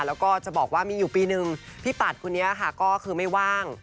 แล้วก็จะบอกว่ามีอยู่ปีนึงพี่ปัดคนนี้ค่ะก็คือไม่ว่าง